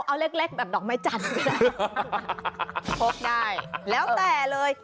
เอาเล็กเล็กแบบดอกไม้จันทร์ก็ได้พกได้แล้วแต่เลย